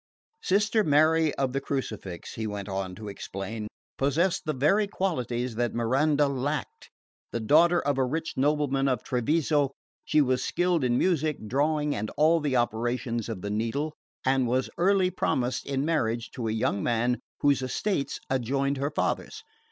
Sister Mary of the Crucifix, he went on to explain, possessed the very qualities that Miranda lacked. The daughter of a rich nobleman of Treviso, she was skilled in music, drawing and all the operations of the needle, and was early promised in marriage to a young man whose estates adjoined her father's.